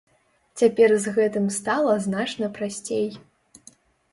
Цяпер з гэтым стала значна прасцей.